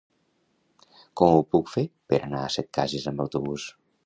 Com ho puc fer per anar a Setcases amb autobús?